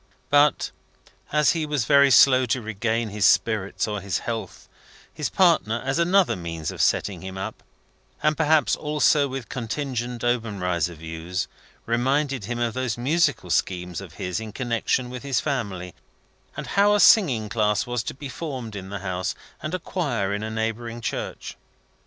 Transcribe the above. But, as he was very slow to regain his spirits or his health, his partner, as another means of setting him up and perhaps also with contingent Obenreizer views reminded him of those musical schemes of his in connection with his family, and how a singing class was to be formed in the house, and a Choir in a neighbouring church.